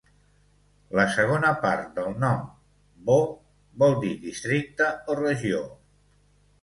La segona part del nom, "-bo", vol dir districte o regió.